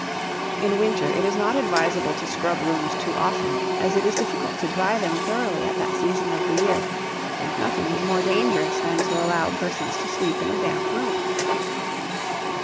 In winter it is not advisable to scrub rooms too often, as it is difficult to dry them thoroughly at that season of the year, and nothing is more dangerous than to allow persons to sleep in a damp room.